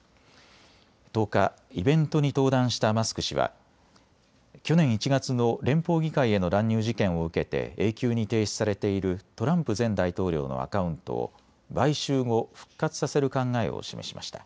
１０日、イベントに登壇したマスク氏は去年１月の連邦議会への乱入事件を受けて永久に停止されているトランプ前大統領のアカウントを買収後、復活させる考えを示しました。